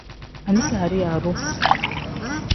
Alikariya iru.